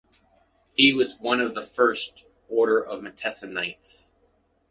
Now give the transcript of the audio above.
He was one of the first Order of Montesa knights.